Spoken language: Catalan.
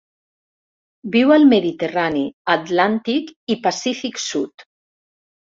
Viu al Mediterrani, Atlàntic i Pacífic sud.